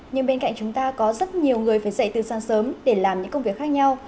nhưng bên cạnh chúng ta có rất nhiều người phải dậy từ sáng sớm để làm những công việc khác nhau